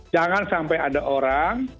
jangan sampai ada orang